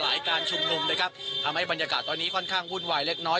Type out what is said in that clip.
การชุมนุมนะครับทำให้บรรยากาศตอนนี้ค่อนข้างวุ่นวายเล็กน้อย